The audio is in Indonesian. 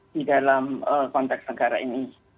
di dalam konteks negara ini